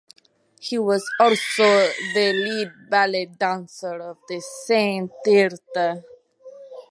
He was also the lead ballet dancer of the same theater.